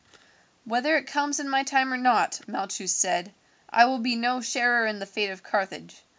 "Whether it comes in my time or not," Malchus said, "I will be no sharer in the fate of Carthage.